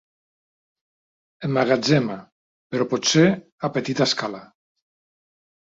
Emmagatzema, però potser a petita escala.